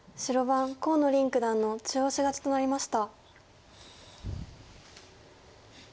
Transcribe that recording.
白番河野九段の中押し勝ちとなりました。